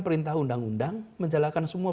perintah undang undang menjalankan semua